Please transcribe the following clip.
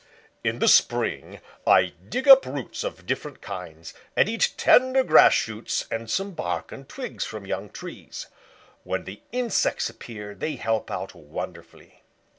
In the spring I dig up roots of different kinds, and eat tender grass shoots and some bark and twigs from young trees. When the insects appear they help out wonderfully.